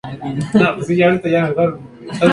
Se localiza en la parte centro oeste del Estado de Puebla.